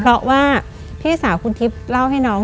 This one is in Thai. เพราะว่าพี่สาวคุณทิพย์เล่าให้น้อง